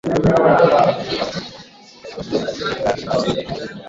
kinaendelea kutoa nafasi salama kuwasaidia watoto wa kike na wanawake vijana